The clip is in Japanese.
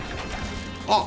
あっ！